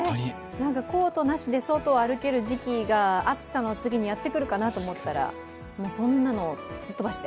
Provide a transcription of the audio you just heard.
コートなしで外を歩ける時期が暑さの次にやってくるかなと思ったらもうそんなの、すっ飛ばして。